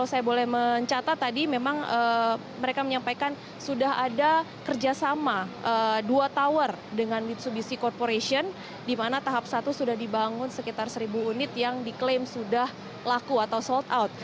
kemudian juga ada kerjasama dua tower dengan mitsubishi corporation di mana tahap satu sudah dibangun sekitar seribu unit yang diklaim sudah laku atau sold out